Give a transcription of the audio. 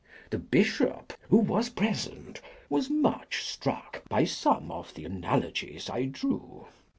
The Bishop, who was present, was much struck by some of the analogies I drew.